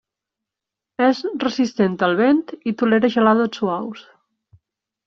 És resistent al vent i tolera gelades suaus.